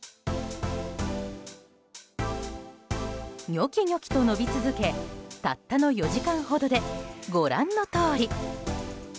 ニョキニョキと伸び続け、たった４時間ほどでご覧のとおり。